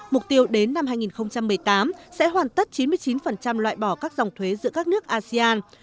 mục tiêu đến năm hai nghìn một mươi tám sẽ hoàn tất chín mươi chín loại bỏ các dòng thuế giữa các nước asean